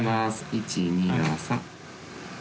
１２の３。